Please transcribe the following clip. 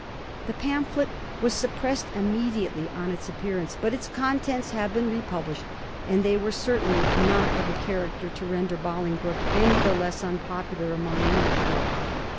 The pamphlet was suppressed immediately on its appearance, but its contents have been republished, and they were certainly not of a character to render Bolingbroke any the less unpopular among Englishmen.